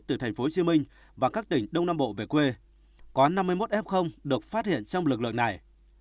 từ thành phố hồ chí minh và các tỉnh đông nam bộ về quê có năm mươi một f được phát hiện trong lực lượng này